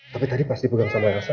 tapi tadi pas dibugang sama elsa